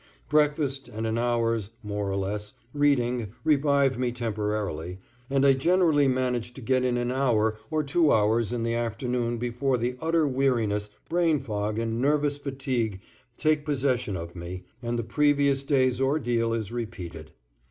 Breakfast and an hour's (more or less) reading revive me temporarily, and I generally manage to get in an hour or two hours in the afternoon before the utter weariness, brain fag and nervous fatigue, takes possession of me, and the previous day's ordeal is repeated.